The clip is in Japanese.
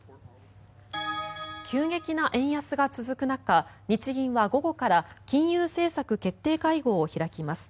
急激な円安が続く中日銀は午後から金融政策決定会合を開きます。